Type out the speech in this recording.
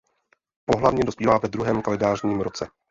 Pohlavně dospívá ve druhém kalendářním roce.